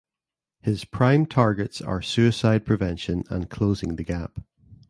His prime targets are suicide prevention and Closing the Gap.